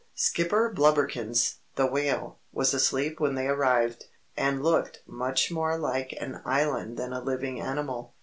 Skipper Blubberkins the Whale was asleep when they arrived, and looked much more like an island than a living animal.